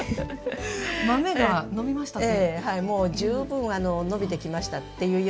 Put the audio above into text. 豆が伸びましたって。